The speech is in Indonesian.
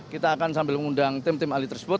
kita akan sambil mengundang tim tim ahli tersebut